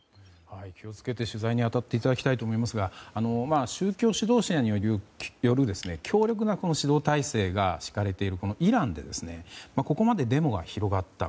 気を付けて、取材に当たっていただきたいと思いますが宗教指導者による強力な主導体制が敷かれているイランでここまでデモが広がった。